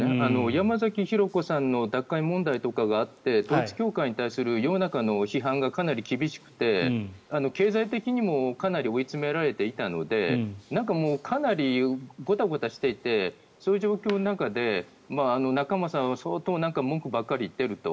山崎浩子さんの脱会問題とかがあって統一教会に対する世の中の批判がかなり厳しくて経済的にもかなり追い詰められていたのでかなりごたごたしていてそういう状況の中で仲正さんは相当文句ばっかり言っていると。